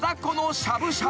しゃぶしゃぶ。